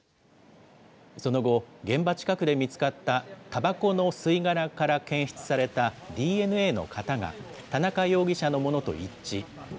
その後、現場近くで見つかったたばこの吸い殻から検出されたＤＮＡの型が、田中容疑者のものと一致。